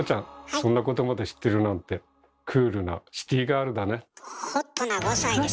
そんなことまで知ってるなんてホットな５歳ですよ。